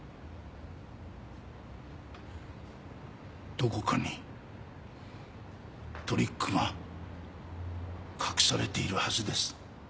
どこかにトリックが隠されているはずです。